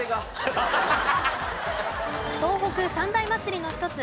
東北三大祭りの一つ